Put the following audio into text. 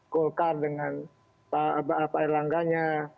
kulkar dengan pak erlangganya